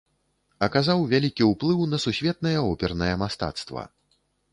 Аказаў вялікі ўплыў на сусветнае опернае мастацтва.